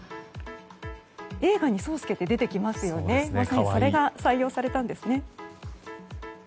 映画にも同じ名前が出てきますけどまさにそれが採用されたんですね。